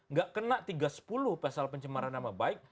nggak kena tiga ratus sepuluh pasal pencemaran nama baik